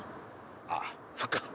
ああそっか。